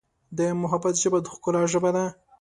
د محبت ژبه د ښکلا ژبه ده.